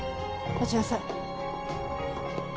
待ちなさい！